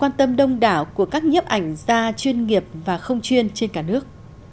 quan tâm đông đảo của các nhếp ảnh ra chuyên nghiệp và không chuyên trên cả nước